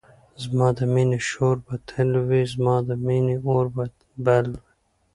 زما د مینی شور به تل وی زما د مینی اور به بل وی